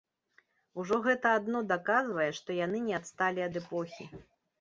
Ужо гэта адно даказвае, што яны не адсталі ад эпохі.